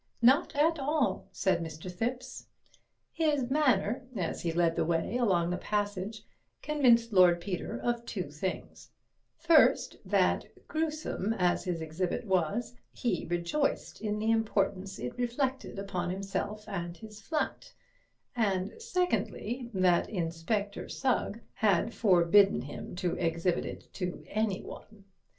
"Not at all," said Mr. Thipps. His manner as he led the way along the passage convinced Lord Peter of two things—first, that, gruesome as his exhibit was, he rejoiced in the importance it reflected upon himself and his flat, and secondly, that Inspector Sugg had forbidden him to exhibit it to anyone.